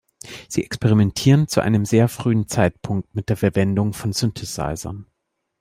Sie experimentierten zu einem sehr frühen Zeitpunkt mit der Verwendung von Synthesizern.